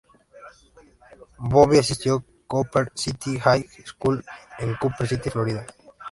Bobby asistió Cooper City High School, en Cooper City, Florida.